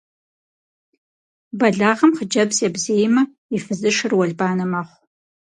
Бэлагъым хъыджэбз ебзеймэ, и фызышэр уэлбанэ мэхъу.